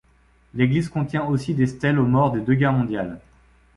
L'église contient aussi des stèles aux morts des deux Guerres Mondiales.